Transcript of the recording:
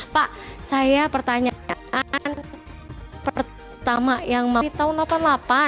pak saya pertanyaan pertama yang mau tahun seribu sembilan ratus delapan puluh delapan